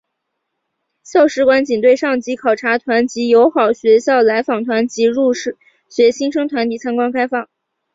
校史馆仅对上级考察团及友好学校来访团及入学新生团体参观开放。